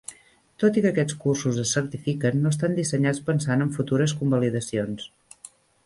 Tot i que aquests cursos es certifiquen, no estan dissenyats pensant en futures convalidacions.